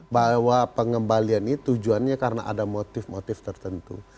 bahwa pengembalian ini tujuannya karena ada motif motif tertentu